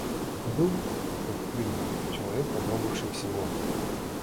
Это был, как видно, человек попробовавший всего.